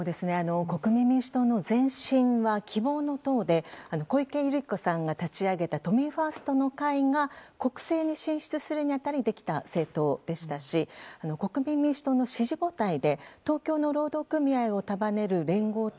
国民民主党の前身は希望の党で小池百合子さんが立ち上げた都民ファーストの会が国政に進出するに当たりできた政党でしたし国民民主党の支持母体で東京の労働組合を束ねる連合